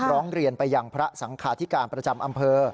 ร้องเรียนไปยังพระสังคาธิการประจำอำเภอ